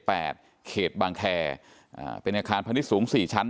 แปดเขตบางแคอ่าเป็นอาคารพันธุ์ที่สูงสี่ชั้น